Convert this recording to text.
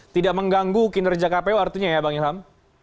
tidak mengganggu kinerja kpu artinya ya bang ilham